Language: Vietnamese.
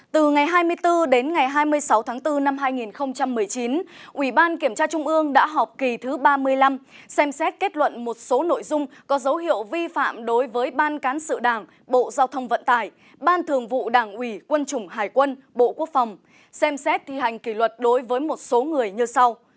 từ ngày hai mươi bốn đến ngày hai mươi sáu tháng bốn năm hai nghìn một mươi chín ủy ban kiểm tra trung ương đã họp kỳ thứ ba mươi năm xem xét kết luận một số nội dung có dấu hiệu vi phạm đối với ban cán sự đảng bộ giao thông vận tải ban thường vụ đảng ủy quân chủng hải quân bộ quốc phòng xem xét thi hành kỷ luật đối với một số người như sau